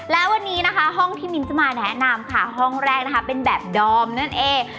และวันนี้นะคะห้องที่มิ้นจะมาแนะนำค่ะห้องแรกนะคะเป็นแบบดอมนั่นเอง